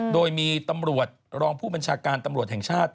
โดยมีตำรวจรองผู้บัญชาการตำรวจแห่งชาติ